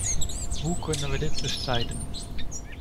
Hoe kunnen we dit bestrijden?